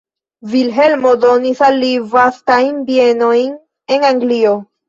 Vilhelmo donis al li vastajn bienojn en Anglio.